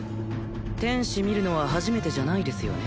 天使見るのは初めてじゃないですよね？